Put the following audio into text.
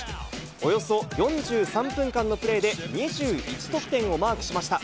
およそ４３分間のプレーで２１得点をマークしました。